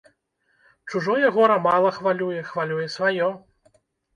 Чужое гора мала хвалюе, хвалюе сваё.